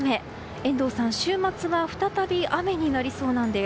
遠藤さん、週末は再び雨になりそうなんです。